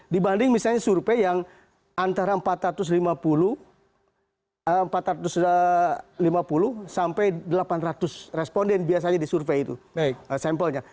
dibanding misalnya survei yang antara empat ratus lima puluh sampai delapan ratus responden biasanya di survei itu sampelnya